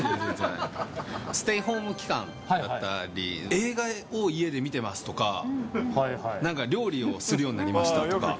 ステイホーム期間だったり、映画を家で見てますとか、なんか料理をするようになりましたとか。